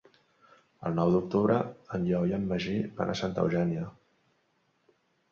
El nou d'octubre en Lleó i en Magí van a Santa Eugènia.